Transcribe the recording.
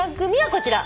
こちら。